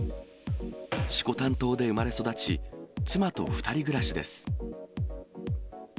色丹島で生まれ育ち、妻と２人暮らしです。